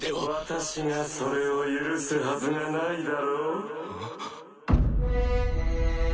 ・私がそれを許すはずがないだろう？